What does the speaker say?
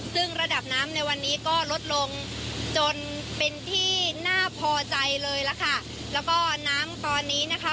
ซึ่งระดับน้ำในวันนี้ก็ลดลงจนเป็นที่น่าพอใจเลยล่ะค่ะแล้วก็น้ำตอนนี้นะคะ